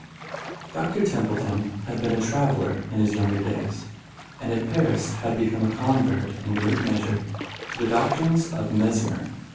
Doctor Templeton had been a traveller in his younger days, and at Paris had become a convert, in great measure, to the doctrines of Mesmer.